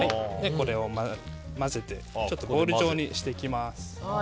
これを混ぜてボール状にしていきます。